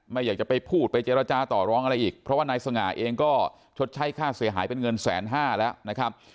ไม่อยากจะไปพูดไปเจรจาต่อร้องอะไรอีกเพราะว่านายสง่าเองก็ชดใช้ค่าเสียหายเป็นเงินแสนห้าแล้วนะครับ